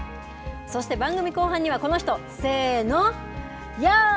そして番組後半には、この人、せーの、ヤー！